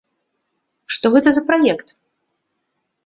Што гэта за праект?